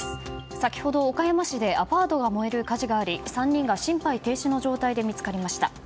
先ほど岡山市でアパートが燃える火事があり３人が心肺停止の状態で見つかりました。